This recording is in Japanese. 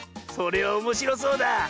それはおもしろそうだ！